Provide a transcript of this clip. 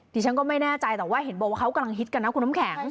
ดิฉันก็ไม่แน่ใจแต่ว่าเห็นบอกว่าเขากำลังฮิตกันนะคุณน้ำแข็ง